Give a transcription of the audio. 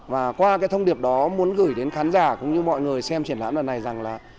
và qua cái thông điệp đó muốn gửi đến khán giả cũng như mọi người xem triển lãm lần này rằng là